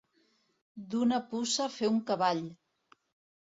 D'una puça fer un cavall.